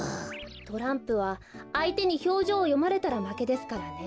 トランプはあいてにひょうじょうをよまれたらまけですからね。